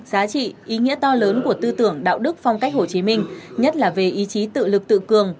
giá trị ý nghĩa to lớn của tư tưởng đạo đức phong cách hồ chí minh nhất là về ý chí tự lực tự cường